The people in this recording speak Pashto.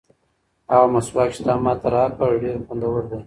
هغه مسواک چې تا ماته راکړ ډېر خوندور دی.